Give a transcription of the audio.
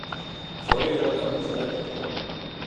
فوری رد عمل ظاہر کرتا ہوں